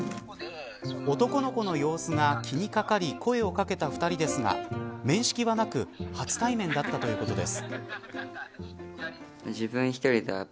男の子の様子が気にかかり声を掛けた２人ですが面識はなく初対面だったということです。